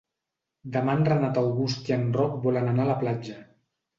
Demà en Renat August i en Roc volen anar a la platja.